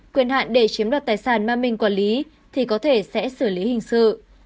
quyền hạn để chiếm đoạt tài sản mà mình quản lý thì có thể sẽ xử lý hình sự